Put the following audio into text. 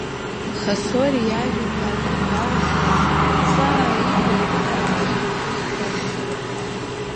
Хосрои иажәақәа анигәалашәалак, аҵаа икәа иҭарҵазшәа игәы хьшәашәахон.